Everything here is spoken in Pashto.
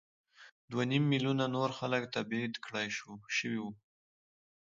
دوه نیم میلیونه نور خلک تبعید کړای شوي وو.